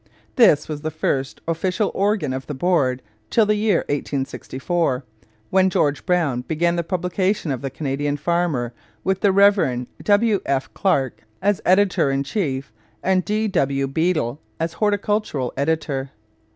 This was the official organ of the board till the year 1864, when George Brown began the publication of the Canada Farmer with the Rev. W. F. Clark as editor in chief and D. W. Beadle as horticultural editor.